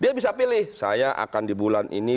dia bisa pilih saya akan di bulan ini